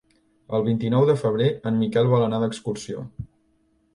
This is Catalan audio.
El vint-i-nou de febrer en Miquel vol anar d'excursió.